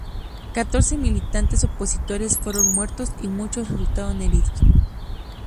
Catorce militantes opositores fueron muertos y muchos resultaron heridos.